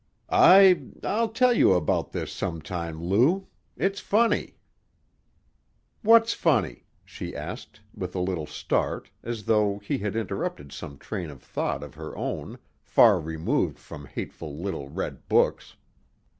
"I I'll tell you about this some time, Lou. It's funny." "What's funny?" she asked, with a little start, as though he had interrupted some train of thought of her own, far removed from hateful little red books.